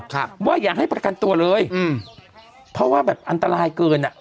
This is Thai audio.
ครับว่าอย่าให้ประกันตัวเลยอืมเพราะว่าแบบอันตรายเกินอ่ะ